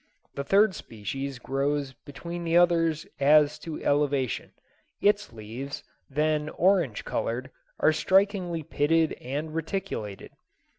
The third species grows between the others as to elevation; its leaves, then orange colored, are strikingly pitted and reticulated.